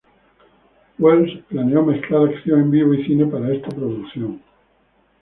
Welles planeó mezclar acción en vivo y cine para esta producción.